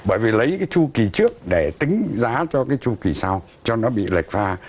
bởi vì lấy cái chu kỳ trước để tính giá cho cái chu kỳ sau cho nó bị lệch pha